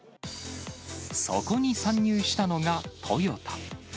そこに参入したのがトヨタ。